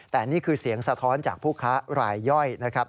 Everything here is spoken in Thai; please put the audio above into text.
แต่นี่คือเสียงสะท้อนจากผู้ค้ารายย่อยนะครับ